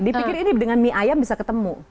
dipikir ini dengan mie ayam bisa ketemu